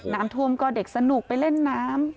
น้ำท่วมก็เด็กสนุกไปเล่นน้ำ